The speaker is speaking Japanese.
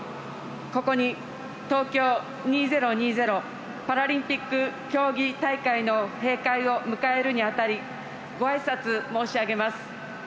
ここに、東京２０２０パラリンピック競技大会の閉会を迎えるにあたりごあいさつ申し上げます。